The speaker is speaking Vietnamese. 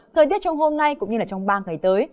thời tiết trong hôm nay cũng như trong ba ngày tới